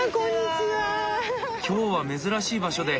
今日は珍しい場所で。